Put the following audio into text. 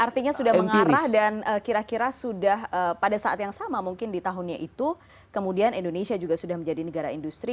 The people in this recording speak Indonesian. artinya sudah mengarah dan kira kira sudah pada saat yang sama mungkin di tahunnya itu kemudian indonesia juga sudah menjadi negara industri